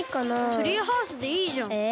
ツリーハウスでいいじゃん。え。